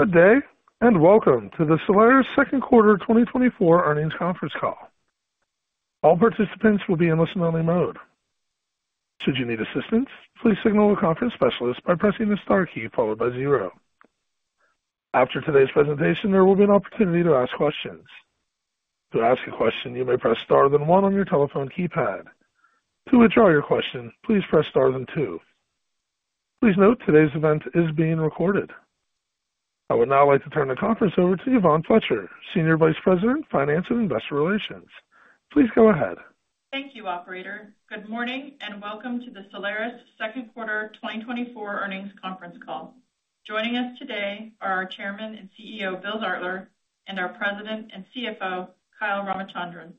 Good day, and welcome to the Solaris Second Quarter 2024 Earnings Conference Call. All participants will be in listen-only mode. Should you need assistance, please signal a conference specialist by pressing the star key followed by zero. After today's presentation, there will be an opportunity to ask questions. To ask a question, you may press star then one on your telephone keypad. To withdraw your question, please press star then two. Please note today's event is being recorded. I would now like to turn the conference over to Yvonne Fletcher, Senior Vice President, Finance and Investor Relations. Please go ahead. Thank you, operator. Good morning, and welcome to the Solaris Second Quarter 2024 Earnings Conference Call. Joining us today are our Chairman and CEO, Bill Zartler, and our President and CFO, Kyle Ramachandran.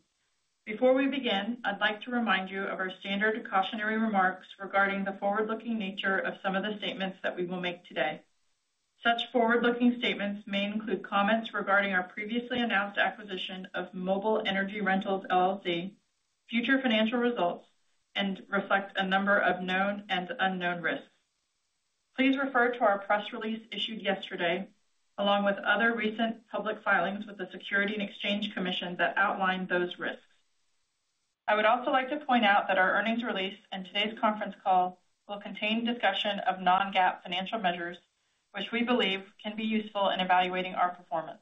Before we begin, I'd like to remind you of our standard cautionary remarks regarding the forward-looking nature of some of the statements that we will make today. Such forward-looking statements may include comments regarding our previously announced acquisition of Mobile Energy Rentals, LLC, future financial results, and reflect a number of known and unknown risks. Please refer to our press release issued yesterday, along with other recent public filings with the Securities and Exchange Commission that outline those risks. I would also like to point out that our earnings release and today's conference call will contain discussion of non-GAAP financial measures, which we believe can be useful in evaluating our performance.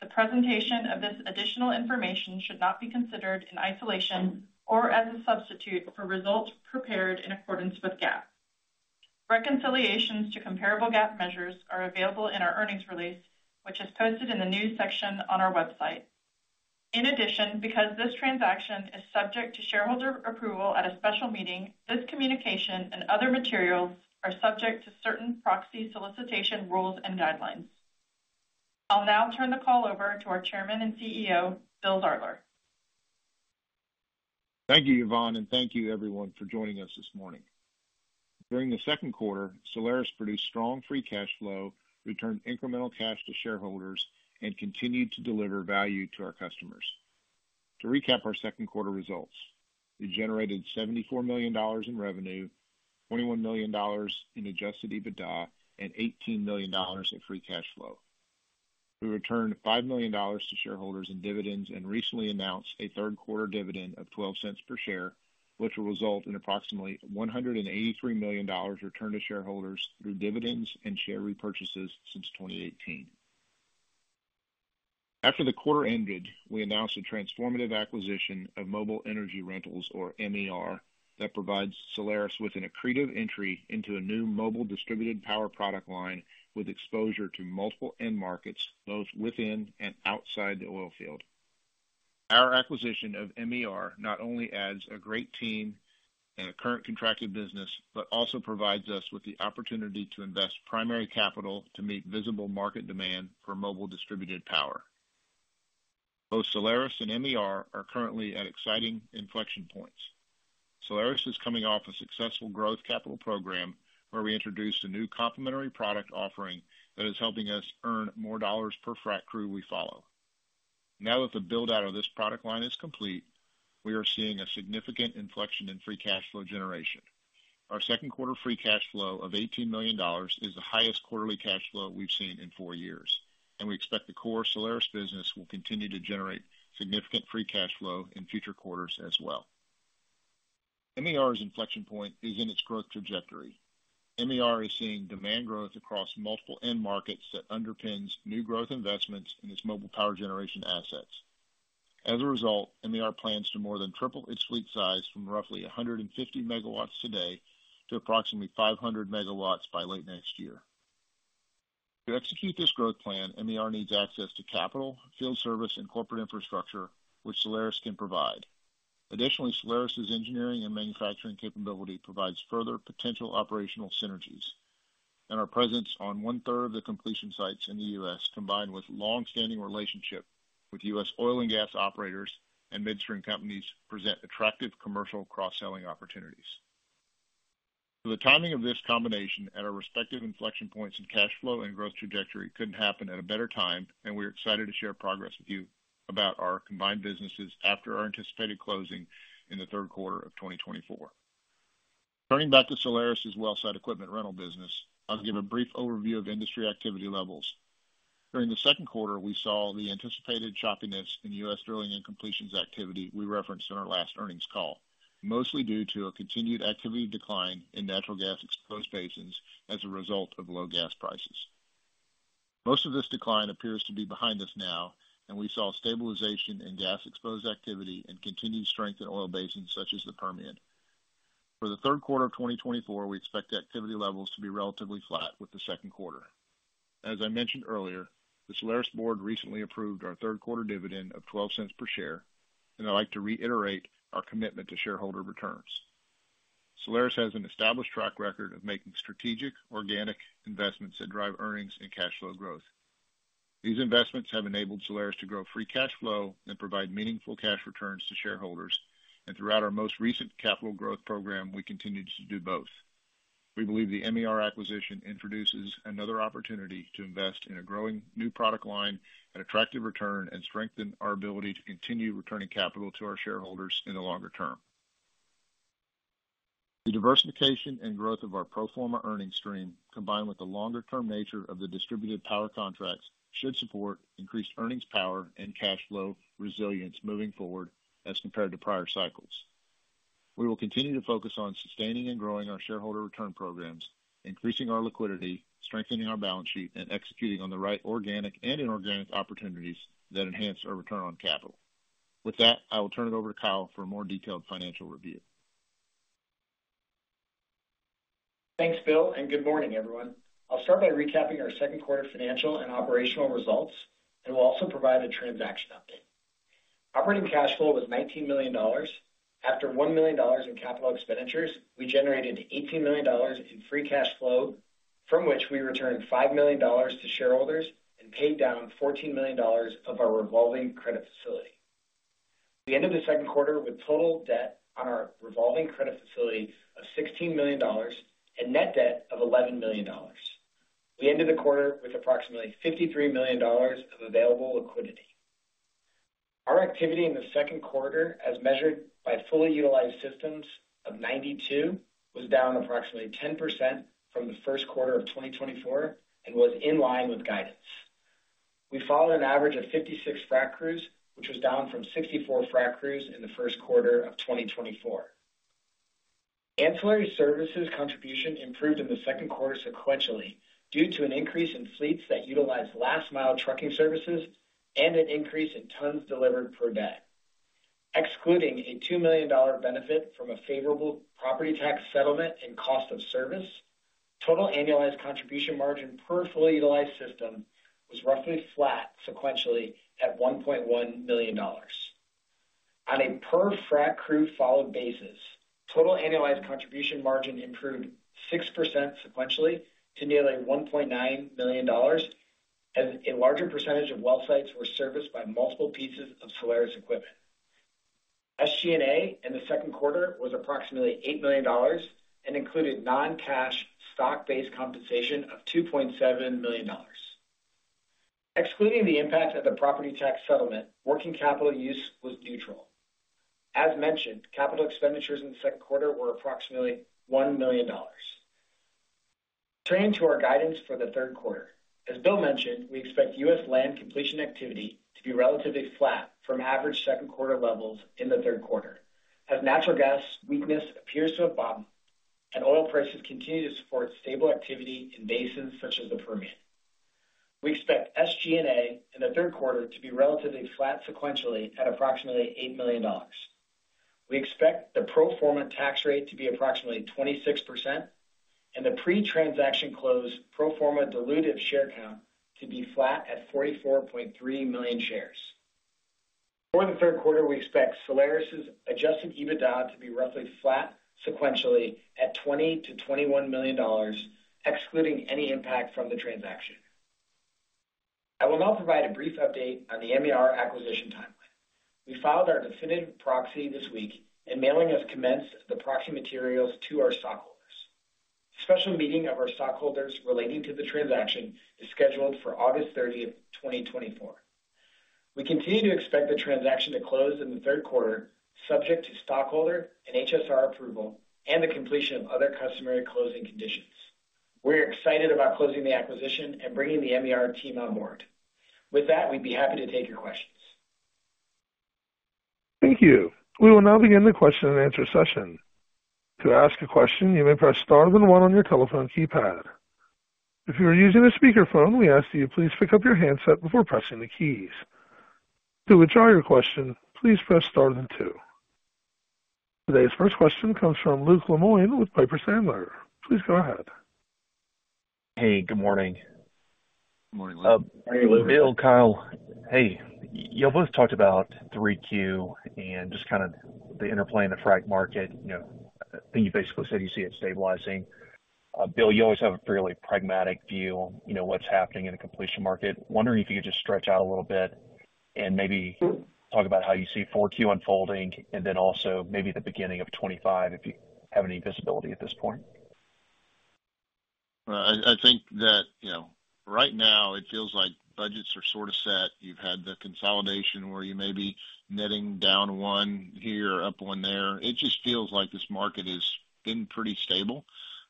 The presentation of this additional information should not be considered in isolation or as a substitute for results prepared in accordance with GAAP. Reconciliations to comparable GAAP measures are available in our earnings release, which is posted in the news section on our website. In addition, because this transaction is subject to shareholder approval at a special meeting, this communication and other materials are subject to certain proxy solicitation rules and guidelines. I'll now turn the call over to our Chairman and CEO, Bill Zartler. Thank you, Yvonne, and thank you everyone for joining us this morning. During the second quarter, Solaris produced strong free cash flow, returned incremental cash to shareholders, and continued to deliver value to our customers. To recap our second quarter results, we generated $74 million in revenue, $21 million in Adjusted EBITDA, and $18 million in free cash flow. We returned $5 million to shareholders in dividends and recently announced a third quarter dividend of $0.12 per share, which will result in approximately $183 million returned to shareholders through dividends and share repurchases since 2018. After the quarter ended, we announced a transformative acquisition of Mobile Energy Rentals, or MER, that provides Solaris with an accretive entry into a new mobile distributed power product line with exposure to multiple end markets, both within and outside the oil field. Our acquisition of MER not only adds a great team and a current contracted business, but also provides us with the opportunity to invest primary capital to meet visible market demand for mobile distributed power. Both Solaris and MER are currently at exciting inflection points. Solaris is coming off a successful growth capital program, where we introduced a new complementary product offering that is helping us earn more dollars per frac crew we follow. Now that the build-out of this product line is complete, we are seeing a significant inflection in free cash flow generation. Our second quarter free cash flow of $18 million is the highest quarterly cash flow we've seen in four years, and we expect the core Solaris business will continue to generate significant free cash flow in future quarters as well. MER's inflection point is in its growth trajectory. MER is seeing demand growth across multiple end markets that underpins new growth investments in its mobile power generation assets. As a result, MER plans to more than triple its fleet size from roughly 150 megawatts today to approximately 500 megawatts by late next year. To execute this growth plan, MER needs access to capital, field service, and corporate infrastructure, which Solaris can provide. Additionally, Solaris' engineering and manufacturing capability provides further potential operational synergies, and our presence on one-third of the completion sites in the U.S., combined with long-standing relationship with U.S. oil and gas operators and midstream companies, present attractive commercial cross-selling opportunities. So the timing of this combination at our respective inflection points in cash flow and growth trajectory couldn't happen at a better time, and we're excited to share progress with you about our combined businesses after our anticipated closing in the third quarter of 2024. Turning back to Solaris' well site equipment rental business, I'll give a brief overview of industry activity levels. During the second quarter, we saw the anticipated choppiness in U.S. drilling and completions activity we referenced in our last earnings call, mostly due to a continued activity decline in natural gas-exposed basins as a result of low gas prices. Most of this decline appears to be behind us now, and we saw stabilization in gas-exposed activity and continued strength in oil basins such as the Permian. For the third quarter of 2024, we expect activity levels to be relatively flat with the second quarter. As I mentioned earlier, the Solaris board recently approved our third quarter dividend of $0.12 per share, and I'd like to reiterate our commitment to shareholder returns. Solaris has an established track record of making strategic organic investments that drive earnings and cash flow growth. These investments have enabled Solaris to grow free cash flow and provide meaningful cash returns to shareholders. And throughout our most recent capital growth program, we continued to do both. We believe the MER acquisition introduces another opportunity to invest in a growing new product line and attractive return and strengthen our ability to continue returning capital to our shareholders in the longer term. The diversification and growth of our pro forma earnings stream, combined with the longer term nature of the distributed power contracts, should support increased earnings power and cash flow resilience moving forward as compared to prior cycles. We will continue to focus on sustaining and growing our shareholder return programs, increasing our liquidity, strengthening our balance sheet, and executing on the right organic and inorganic opportunities that enhance our return on capital. With that, I will turn it over to Kyle for a more detailed financial review. Thanks, Bill, and good morning, everyone. I'll start by recapping our second quarter financial and operational results, and we'll also provide a transaction update. Operating cash flow was $19 million. After $1 million in capital expenditures, we generated $18 million in free cash flow, from which we returned $5 million to shareholders and paid down $14 million of our revolving credit facility. At the end of the second quarter, with total debt on our revolving credit facility of $16 million and net debt of $11 million. We ended the quarter with approximately $53 million of available liquidity. Our activity in the second quarter, as measured by fully utilized systems of 92, was down approximately 10% from the first quarter of 2024 and was in line with guidance. We followed an average of 56 frac crews, which was down from 64 frac crews in the first quarter of 2024. Ancillary services contribution improved in the second quarter sequentially, due to an increase in fleets that utilized last mile trucking services and an increase in tons delivered per day. Excluding a $2 million benefit from a favorable property tax settlement and cost of service, total annualized contribution margin per fully utilized system was roughly flat sequentially at $1.1 million. On a per frac crew followed basis, total annualized contribution margin improved 6% sequentially to nearly $1.9 million, as a larger percentage of well sites were serviced by multiple pieces of Solaris equipment. SG&A in the second quarter was approximately $8 million and included non-cash stock-based compensation of $2.7 million. Excluding the impact of the property tax settlement, working capital use was neutral. As mentioned, capital expenditures in the second quarter were approximately $1 million. Turning to our guidance for the third quarter. As Bill mentioned, we expect U.S. land completion activity to be relatively flat from average second quarter levels in the third quarter, as natural gas weakness appears to have bottomed and oil prices continue to support stable activity in basins such as the Permian. We expect SG&A in the third quarter to be relatively flat sequentially at approximately $8 million. We expect the pro forma tax rate to be approximately 26% and the pre-transaction close pro forma diluted share count to be flat at 44.3 million shares. For the third quarter, we expect Solaris' adjusted EBITDA to be roughly flat sequentially at $20-$21 million, excluding any impact from the transaction. I will now provide a brief update on the MER acquisition timeline. We filed our definitive proxy this week, and mailing has commenced the proxy materials to our stockholders. Special meeting of our stockholders relating to the transaction is scheduled for August thirtieth, 2024. We continue to expect the transaction to close in the third quarter, subject to stockholder and HSR approval and the completion of other customary closing conditions. We're excited about closing the acquisition and bringing the MER team on board. With that, we'd be happy to take your questions. Thank you. We will now begin the question and answer session. To ask a question, you may press star then one on your telephone keypad. If you are using a speakerphone, we ask that you please pick up your handset before pressing the keys. To withdraw your question, please press star then two. Today's first question comes from Luke Lemoine with Piper Sandler. Please go ahead. Hey, good morning. Good morning, Luke. Bill, Kyle, hey, you both talked about 3Q and just kind of the interplay in the frac market. You know, I think you basically said you see it stabilizing. Bill, you always have a fairly pragmatic view on, you know, what's happening in the completion market. Wondering if you could just stretch out a little bit and maybe talk about how you see 4Q unfolding and then also maybe the beginning of 2025, if you have any visibility at this point. I think that, you know, right now it feels like budgets are sort of set. You've had the consolidation where you may be netting down one here, up one there. It just feels like this market has been pretty stable.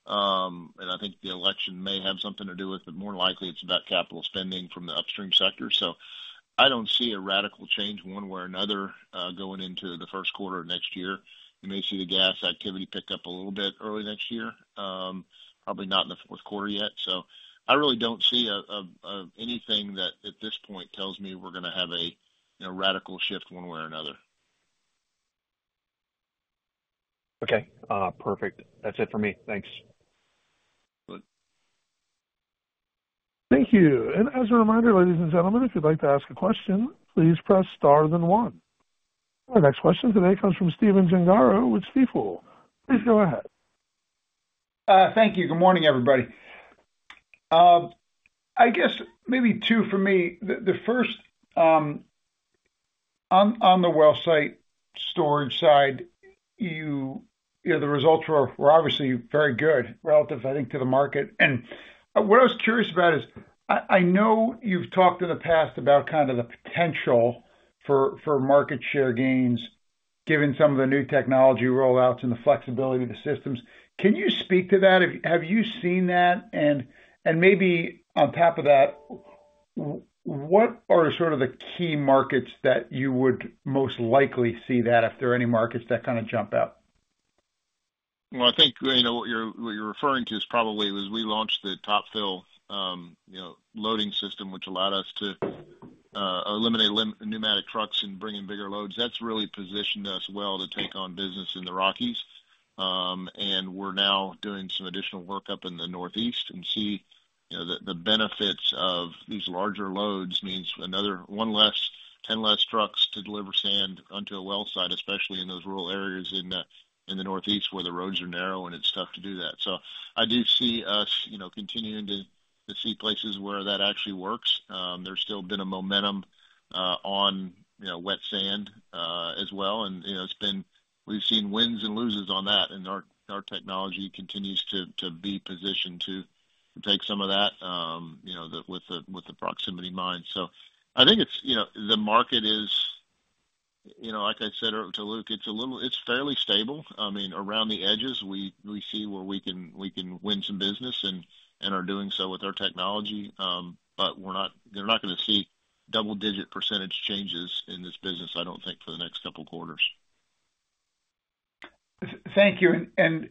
And I think the election may have something to do with, but more likely it's about capital spending from the upstream sector. So I don't see a radical change one way or another, going into the first quarter of next year. You may see the gas activity pick up a little bit early next year, probably not in the fourth quarter yet. So I really don't see anything that, at this point, tells me we're gonna have a, you know, radical shift one way or another. Okay, perfect. That's it for me. Thanks. Good. Thank you. As a reminder, ladies and gentlemen, if you'd like to ask a question, please press star then one. Our next question today comes from Stephen Gengaro with Stifel. Please go ahead. Thank you. Good morning, everybody. I guess maybe two for me. The first, on the well site storage side, you know, the results were obviously very good relative, I think, to the market. And what I was curious about is, I know you've talked in the past about kind of the potential for market share gains, given some of the new technology rollouts and the flexibility of the systems. Can you speak to that? Have you seen that? And maybe on top of that, what are sort of the key markets that you would most likely see that, if there are any markets that kind of jump out? Well, I think, you know, what you're, you're referring to is probably as we launched the Top Fill, you know, loading system, which allowed us to, eliminate pneumatic trucks and bring in bigger loads. That's really positioned us well to take on business in the Rockies. And we're now doing some additional work up in the Northeast and see, you know, the, the benefits of these larger loads means another 1 less, 10 less trucks to deliver sand onto a well site, especially in those rural areas in the Northeast, where the roads are narrow and it's tough to do that. So I do see us, you know, continuing to see places where that actually works. There's still been a momentum on, you know, wet sand, as well. You know, it's been, we've seen wins and losses on that, and our technology continues to be positioned to take some of that, you know, with the proximity mines. So I think it's, you know, the market is, you know, like I said earlier to Luke, it's a little-- it's fairly stable. I mean, around the edges, we see where we can win some business and are doing so with our technology. But we're not. They're not gonna see double-digit percentage changes in this business, I don't think, for the next couple quarters. Thank you. And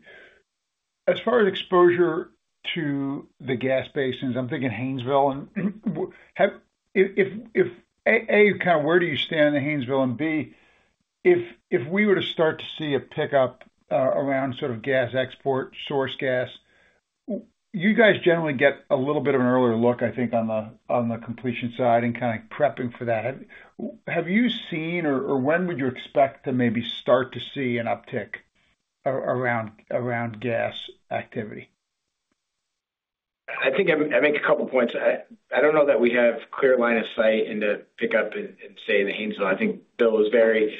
as far as exposure to the gas basins, I'm thinking Haynesville. If A, kind of where do you stand in the Haynesville? And B, if we were to start to see a pickup around sort of gas export, source gas, you guys generally get a little bit of an earlier look, I think, on the completion side and kind of prepping for that. Have you seen, or when would you expect to maybe start to see an uptick around gas activity? I think I make a couple points. I don't know that we have clear line of sight into pick up in, say, the Haynesville. I think Bill is very,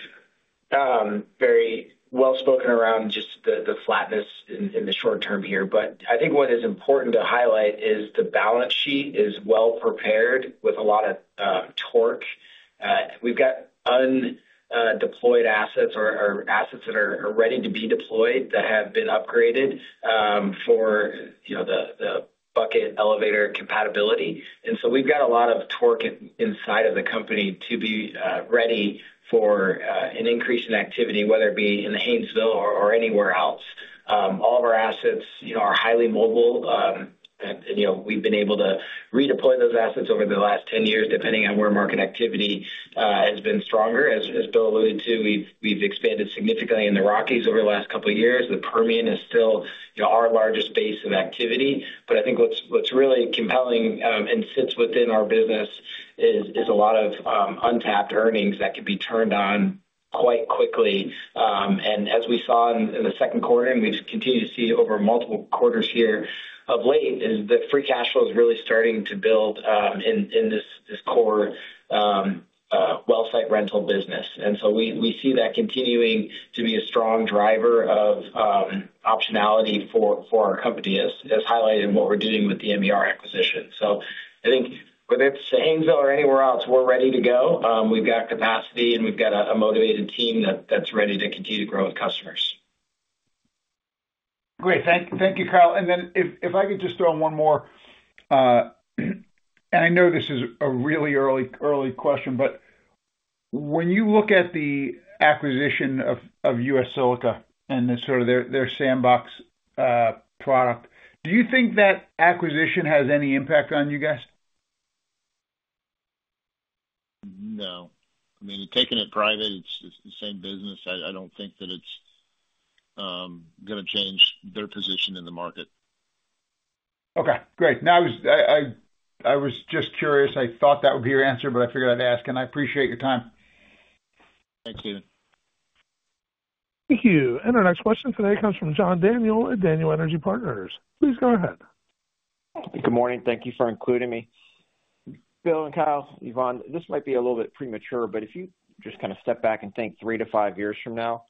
very well spoken around just the flatness in the short term here. But I think what is important to highlight is the balance sheet is well prepared with a lot of torque. We've got undeployed assets or assets that are ready to be deployed that have been upgraded for, you know, the bucket elevator compatibility. And so we've got a lot of torque inside of the company to be ready for an increase in activity, whether it be in the Haynesville or anywhere else. All of our assets, you know, are highly mobile. And, you know, we've been able to redeploy those assets over the last 10 years, depending on where market activity has been stronger. As Bill alluded to, we've expanded significantly in the Rockies over the last couple of years. The Permian is still, you know, our largest base of activity. But I think what's really compelling and sits within our business is a lot of untapped earnings that could be turned on quite quickly. And as we saw in the second quarter, and we've continued to see over multiple quarters here of late, is that free cash flow is really starting to build in this core well site rental business. And so we see that continuing to be a strong driver of optionality for our company, as highlighted in what we're doing with the MER acquisition. So I think whether it's Haynesville or anywhere else, we're ready to go. We've got capacity, and we've got a motivated team that's ready to continue to grow with customers. Great. Thank you, Kyle. And then if I could just throw in one more, and I know this is a really early question, but when you look at the acquisition of U.S. Silica and the sort of their SandBox product, do you think that acquisition has any impact on you guys? No. I mean, taking it private, it's the same business. I, I don't think that it's gonna change their position in the market. Okay, great. Now, I was just curious. I thought that would be your answer, but I figured I'd ask, and I appreciate your time. Thank you. Thank you. And our next question today comes from John Daniel at Daniel Energy Partners. Please go ahead. Good morning. Thank you for including me. Bill and Kyle, Yvonne, this might be a little bit premature, but if you just kind of step back and think 3-5 years from now,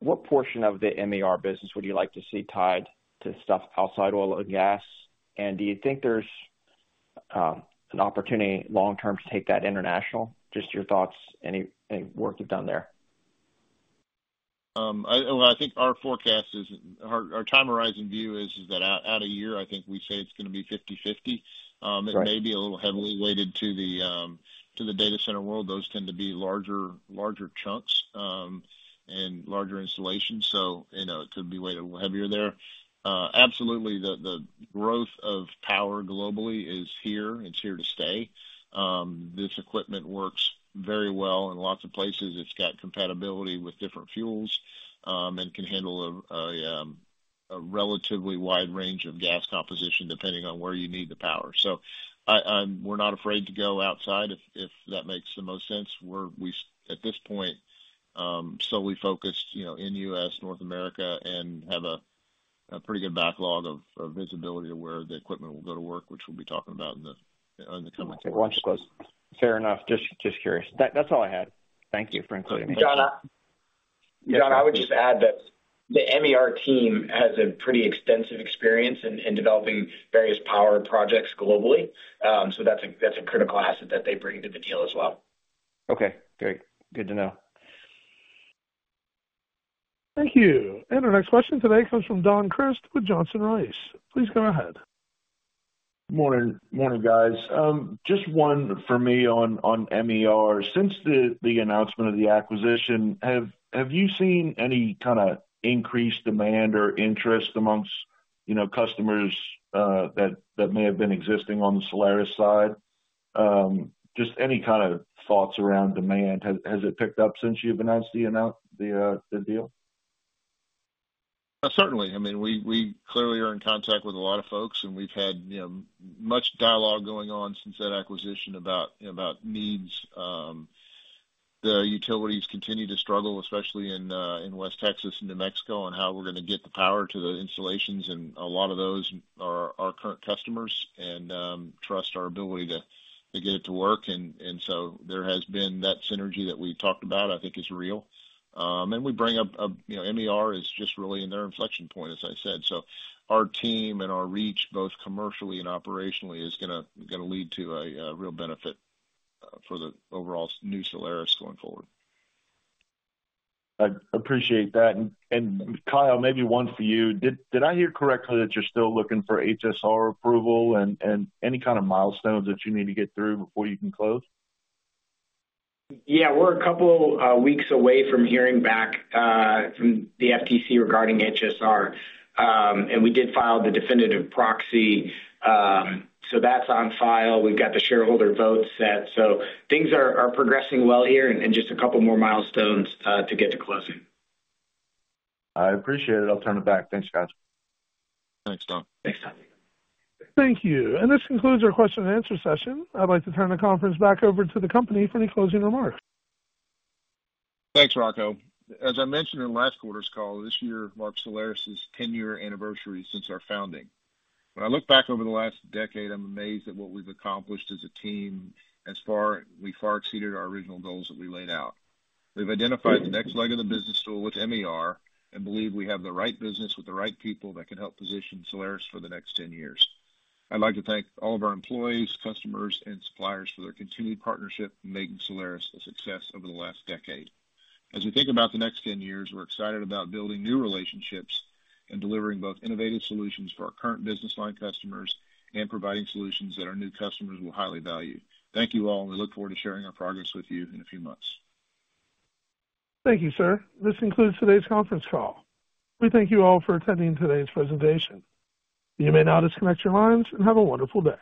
what portion of the MER business would you like to see tied to stuff outside oil or gas? And do you think there's an opportunity long term to take that international? Just your thoughts, any work you've done there. Well, I think our forecast is. Our time horizon view is that out a year, I think we say it's gonna be 50/50. It may be a little heavily weighted to the, to the data center world. Those tend to be larger, larger chunks, and larger installations, so you know, it could be weighted a little heavier there. Absolutely, the growth of power globally is here. It's here to stay. This equipment works very well in lots of places. It's got compatibility with different fuels, and can handle a relatively wide range of gas composition, depending on where you need the power. So we're not afraid to go outside if that makes the most sense. We're at this point solely focused, you know, in U.S., North America, and have a pretty good backlog of visibility of where the equipment will go to work, which we'll be talking about in the coming quarters. Fair enough. Just, just curious. That, that's all I had. Thank you for including me. John, I would just add that the MER team has a pretty extensive experience in developing various power projects globally. So that's a critical asset that they bring to the deal as well. Okay, great. Good to know. Thank you. Our next question today comes from Don Crist with Johnson Rice. Please go ahead. Morning. Morning, guys. Just one for me on MER. Since the announcement of the acquisition, have you seen any kind of increased demand or interest amongst, you know, customers that may have been existing on the Solaris side? Just any kind of thoughts around demand. Has it picked up since you've announced the deal? Certainly. I mean, we clearly are in contact with a lot of folks, and we've had, you know, much dialogue going on since that acquisition about needs. The utilities continue to struggle, especially in West Texas and New Mexico, on how we're gonna get the power to the installations, and a lot of those are our current customers and trust our ability to get it to work. And so there has been that synergy that we've talked about, I think is real. And we bring up, you know, MER is just really in their inflection point, as I said, so our team and our reach, both commercially and operationally, is gonna lead to a real benefit for the overall new Solaris going forward. I appreciate that. And, Kyle, maybe one for you. Did I hear correctly that you're still looking for HSR approval and any kind of milestones that you need to get through before you can close? Yeah, we're a couple weeks away from hearing back from the FTC regarding HSR. We did file the definitive proxy, so that's on file. We've got the shareholder vote set, so things are progressing well here and just a couple more milestones to get to closing. I appreciate it. I'll turn it back. Thanks, guys. Thanks, Don. Thanks, Don. Thank you. This concludes our question and answer session. I'd like to turn the conference back over to the company for any closing remarks. Thanks, Rocco. As I mentioned in last quarter's call, this year marks Solaris's 10-year anniversary since our founding. When I look back over the last decade, I'm amazed at what we've accomplished as a team. We far exceeded our original goals that we laid out. We've identified the next leg of the business tool with MER and believe we have the right business with the right people that can help position Solaris for the next 10 years. I'd like to thank all of our employees, customers, and suppliers for their continued partnership in making Solaris a success over the last decade. As we think about the next 10 years, we're excited about building new relationships and delivering both innovative solutions for our current business line customers and providing solutions that our new customers will highly value. Thank you all, and we look forward to sharing our progress with you in a few months. Thank you, sir. This concludes today's conference call. We thank you all for attending today's presentation. You may now disconnect your lines, and have a wonderful day.